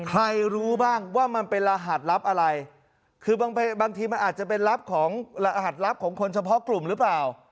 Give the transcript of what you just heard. รู้บ้างว่ามันเป็นรหัสลับอะไรคือบางทีมันอาจจะเป็นลับของรหัสลับของคนเฉพาะกลุ่มหรือเปล่า